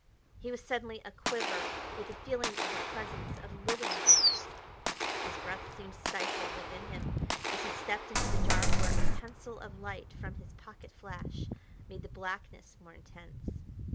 He was suddenly a quiver with a feeling of the presence of living things. His breath seemed stifled within him as he stepped into the dark where a pencil of light from his pocket flash made the blackness more intense.